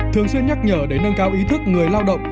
thường xuyên nhắc nhở để nâng cao ý thức người lao động